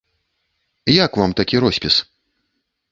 Як вам такі роспіс?